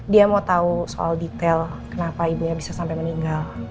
dia mau tahu soal detail kenapa ibunya bisa sampai meninggal